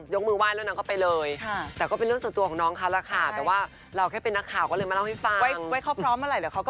หรือว่าอุ่นเจมส์จิเขาจะชอบสาวผมบ้อป